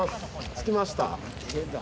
着きました